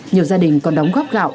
nhiều gia đình còn đóng góp gạo